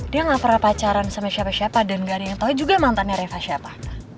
dia gak pernah pacaran sama siapa siapa dan gak ada yang tahu juga mantannya reva siapa